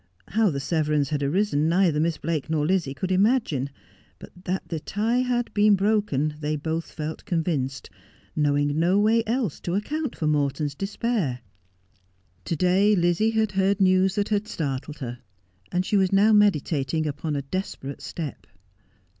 How the severance had arisen neither Miss Blake nor Lizzie could imagine, but that the tie had been broken they both felt convinced, knowing no way else to account for Morton's despair. lit:] Just as 1 Avl. To day Lizzie had heard news that had startled her, and she was now meditating upon a desperate step.